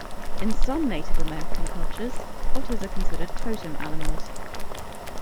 In some Native American cultures, otters are considered totem animals.